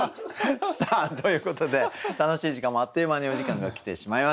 さあということで楽しい時間もあっという間にお時間が来てしまいました。